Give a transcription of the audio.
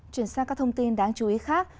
chuyển sang các thông tin đáng chú ý khác